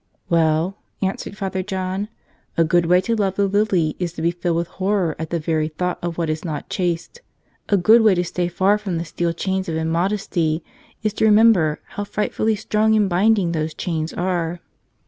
"Well," answered Father John, "a good way to love the lily is to be filled with horror at the very thought of what is not chaste. A good way to stay far from the steel chains of immodesty is to remember how frightfully strong and binding those chains are.